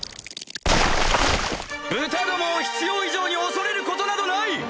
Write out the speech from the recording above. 豚どもを必要以上に恐れることなどない！